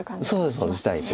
そうです